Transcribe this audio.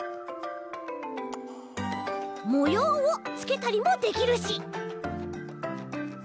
もようをつけたりもできるし。